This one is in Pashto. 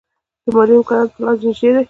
د مالي امکاناتو په لحاظ نژدې دي.